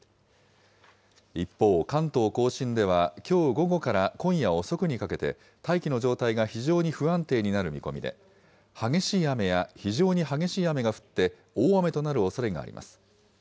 一方、関東甲信ではきょう午後から今夜遅くにかけて、大気の状態が非常に不安定になる見込みで、激しい雨や非常に激しい雨が降って、大雨となるおそれがあります。